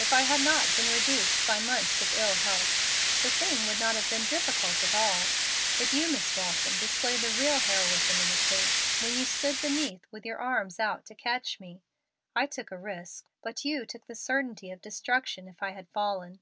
If I had not been reduced by months of ill health, the thing would not have been difficult at all. But you, Miss Walton, displayed the real heroism in the case, when you stood beneath with your arms out to catch me. I took a risk, but you took the certainty of destruction if I had fallen.